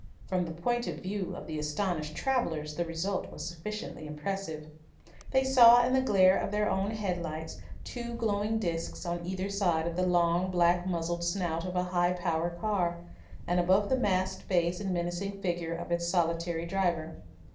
From the point of view of the astonished travellers the result was sufficiently impressive. They saw in the glare of their own head lights two glowing discs on either side of the long, black muzzled snout of a high power car, and above the masked face and menacing figure of its solitary driver.